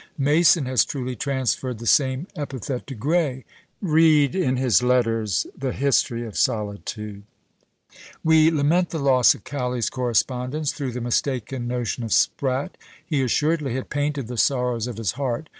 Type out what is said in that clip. Mason has truly transferred the same epithet to Gray. Bead in his letters the history of solitude. We lament the loss of Cowley's correspondence, through the mistaken notion of Sprat; he assuredly had painted the sorrows of his heart.